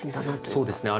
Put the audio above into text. そうですね。